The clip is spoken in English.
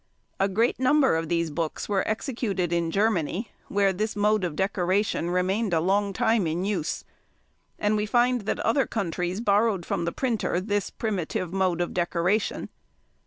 A great number of these books were executed in Germany, where this mode of decoration remained a long time in use; and we find that other countries borrowed from the printer this primitive mode of decoration.